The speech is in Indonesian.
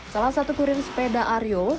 salah satu kurir sepeda aryo